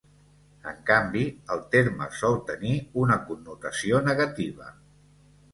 En canvi, el terme sol tenir una connotació negativa.